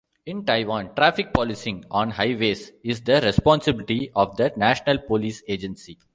In Taiwan, traffic policing on highways is the responsibility of the National Police Agency.